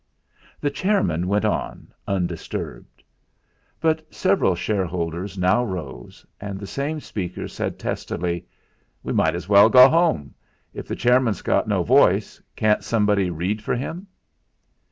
The chairman went on, undisturbed. But several shareholders now rose, and the same speaker said testily: "We might as well go home. If the chairman's got no voice, can't somebody read for him?"